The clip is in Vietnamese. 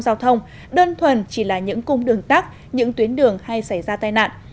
giao thông đơn thuần chỉ là những cung đường tắc những tuyến đường hay xảy ra tai nạn